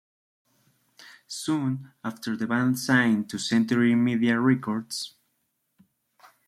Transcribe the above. Soon after the band signed to Century Media Records.